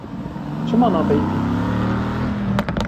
Çima napeyivî.